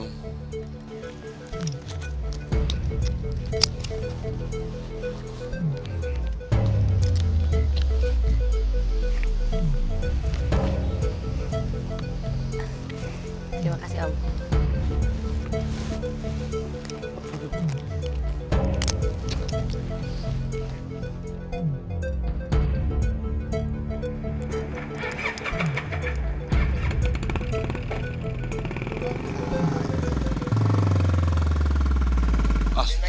terima kasih abah